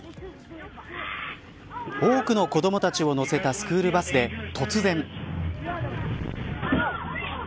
多くの子どもたちを乗せたスクールバスで突然。